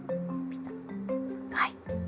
はい。